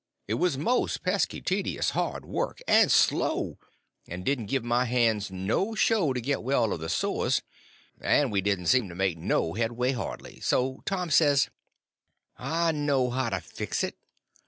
It was most pesky tedious hard work and slow, and didn't give my hands no show to get well of the sores, and we didn't seem to make no headway, hardly; so Tom says: "I know how to fix it.